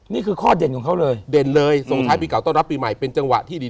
นี่คือข้อเด่นของเขาเลยเด่นเลยส่งท้ายปีเก่าต้อนรับปีใหม่เป็นจังหวะที่ดี